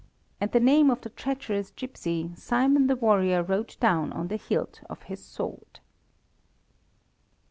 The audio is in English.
And the name of the treacherous gipsy Simon the warrior wrote down on the hilt of his sword.